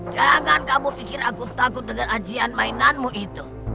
jangan kamu pikir aku takut dengan ajian mainanmu itu